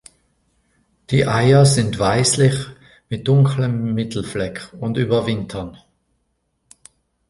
Die Eier sind weißlich mit dunklem Mittelfleck und überwintern.